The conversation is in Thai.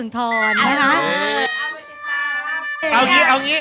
เอาอย่างนี้เอาอย่างนี้